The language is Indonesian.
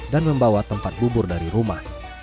dan membawa tempat bubur dari rumah